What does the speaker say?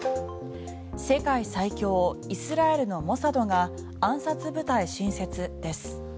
世界最強イスラエルのモサドが暗殺部隊新設です。